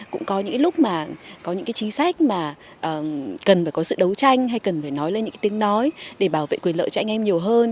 cũng có những cái lúc mà có những cái chính sách mà cần phải có sự đấu tranh hay cần phải nói lên những cái tiếng nói để bảo vệ quyền lợi cho anh em nhiều hơn